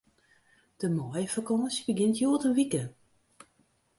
De maaiefakânsje begjint hjoed in wike.